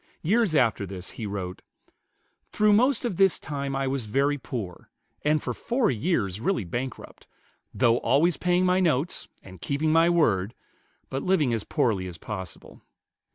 Years after this he wrote, "Through most of this time I was very poor, and for four years really bankrupt, though always paying my notes, and keeping my word, but living as poorly as possible.